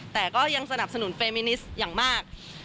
แต่ก็ยังสนับสนุนเฟรมินิสอย่างมาก